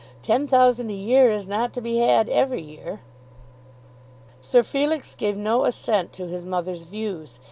Ten thousand a year is not to be had every year." Sir Felix gave no assent to his mother's views.